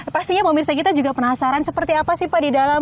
pastinya pemirsa kita juga penasaran seperti apa sih pak di dalam